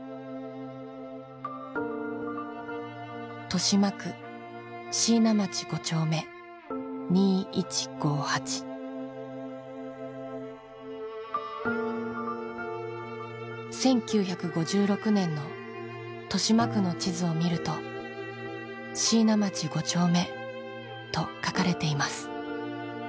「豊島区椎名町５丁目２１５８」１９５６年の豊島区の地図を見ると「椎名町五丁目」と書かれています。